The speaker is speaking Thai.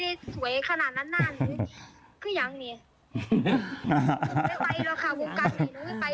แล้วก็ขอพ้อนก็คือหยิบมาเลยค่ะพี่หมดำ